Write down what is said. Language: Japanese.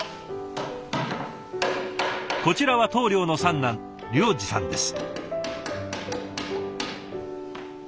こちらは棟梁の三男亮二さんです。